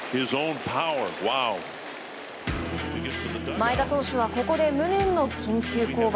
前田投手はここで無念の緊急降板。